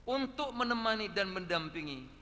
untuk menemani dan mendampingi